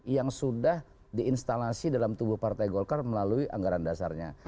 yang sudah diinstalasi dalam tubuh partai golkar melalui anggaran dasarnya